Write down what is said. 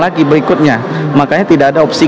lagi berikutnya makanya tidak ada opsi